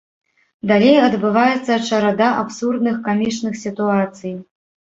Далей адбываецца чарада абсурдных, камічных сітуацый.